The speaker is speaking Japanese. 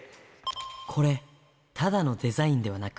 これ、ただのデザインではなく。